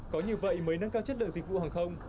có như vậy mới nâng cao chất lượng dịch vụ hàng không